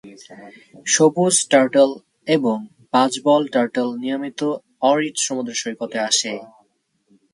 সবুজ টার্টল এবং বাজবিল টার্টল নিয়মিত আরিড সমুদ্র সৈকতে আসে।